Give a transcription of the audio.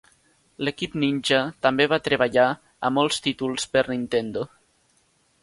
L'equip Ninja també va treballar a molts títols per Nintendo.